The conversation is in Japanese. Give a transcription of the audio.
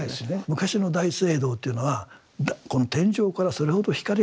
昔の大聖堂というのはこの天井からそれほど光が来なかったのね。